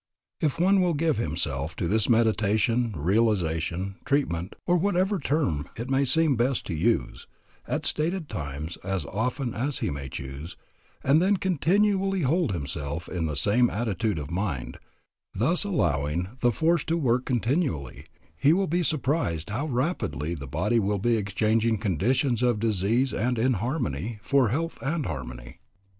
If one will give himself to this meditation, realization, treatment, or whatever term it may seem best to use, at stated times, as often as he may choose, and then continually hold himself in the same attitude of mind, thus allowing the force to work continually, he will be surprised how rapidly the body will be exchanging conditions of disease and inharmony for health and harmony.